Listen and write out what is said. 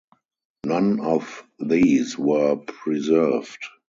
None of these were preserved.